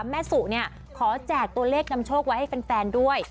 แม่สุขอแจกเลขดำโชครับไว้ให้แฟนด้วย